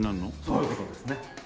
そういう事ですね。